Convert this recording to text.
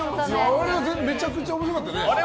あれめちゃくちゃ面白かったよね。